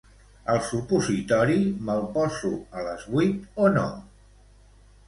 El supositori me'l poso a les vuit o no?